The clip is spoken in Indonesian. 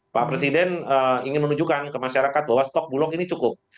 pak presiden ingin menunjukkan ke masyarakat bahwa stok bulog ini cukup